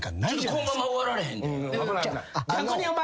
このまま終わられへんで。